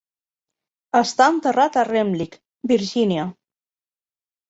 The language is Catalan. Està enterrat a Remlik (Virgínia).